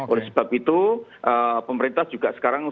oleh sebab itu pemerintah juga sekarang